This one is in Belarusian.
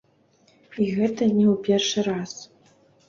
І гэта не ў першы раз.